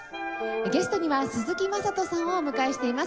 ゲストには鈴木優人さんをお迎えしています。